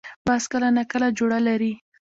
باز کله نا کله جوړه لري